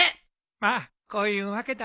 まあこういうわけだ。